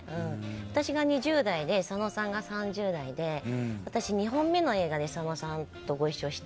私が２０代で佐野さんが３０代で私、２本目の映画で佐野さんとご一緒して。